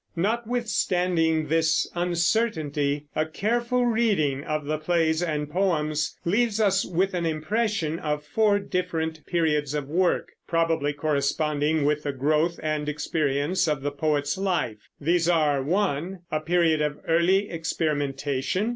Notwithstanding this uncertainty, a careful reading of the plays and poems leaves us with an impression of four different periods of work, probably corresponding with the growth and experience of the poet's life. These are: (1) a period of early experimentation.